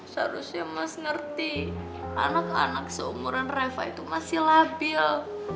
seharusnya mas ngerti anak anak seumuran reva itu masih labil